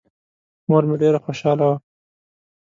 مور مې ډېره خوشاله وه.